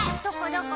どこ？